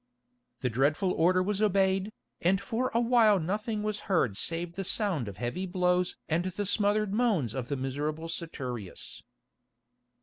The dreadful order was obeyed, and for a while nothing was heard save the sound of heavy blows and the smothered moans of the miserable Saturius.